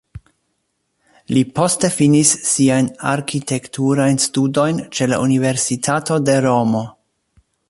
Li poste finis siajn arkitekturajn studojn ĉe la Universitato de Romo.